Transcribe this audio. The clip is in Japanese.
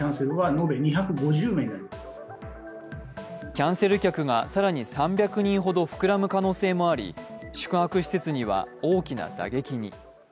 キャンセル客が更に３００人ほど膨らむ可能性もあり宿泊施設には、大きな打撃に。